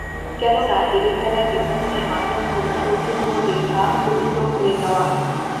কেননা, এঁদের বেলায় বিভাজনের মাত্রা ছিল সৌজন্য রেখা অতিক্রম করে যাওয়া।